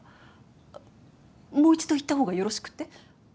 あっもう一度言った方がよろしくって？